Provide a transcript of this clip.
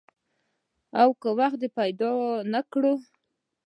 او که وخت دې پیدا نه کړ؟